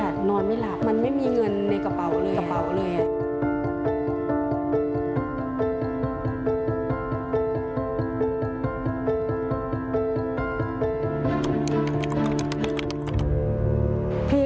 คุณแม่คนนี้คุณแม่คนนี้คุณแม่คนนี้